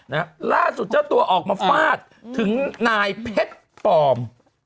ล่าสุดเจ้าตัวออกมาฟาดถึงนายเพชรปลอม